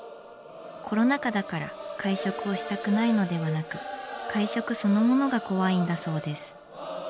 コロナ禍だから会食をしたくないのではなく会食そのものが怖いんだそうです。